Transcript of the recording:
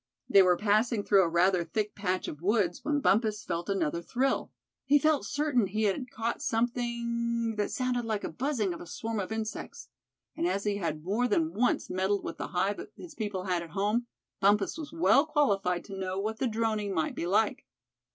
They were passing through a rather thick patch of woods when Bumpus felt another thrill. He felt certain that he had caught something that sounded like the buzzing of a swarm of insects; and as he had more than once meddled with the hive his people had at home, Bumpus was well qualified to know what the droning might be like.